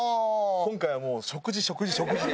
今回はもう食事食事食事で。